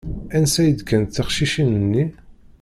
Ansa i d-kkant teqcicin-nni?